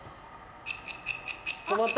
止まった！